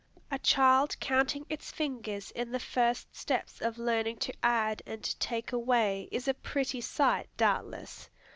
A child counting its fingers in the first steps of learning to add and to take away, is a pretty sight, doubtless.